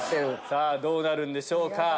さぁどうなるんでしょうか？